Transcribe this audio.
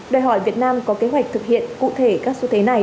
đòi hỏi việt nam có kế hoạch thực hiện cụ thể các xu thế này